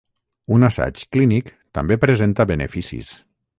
Un assaig clínic també presenta beneficis.